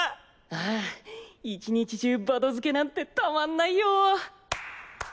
ああ１日中バド漬けなんてたまんないよ！